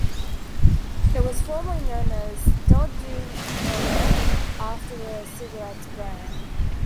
It was formerly known as Stade Du Maurier, after the cigarettes brand.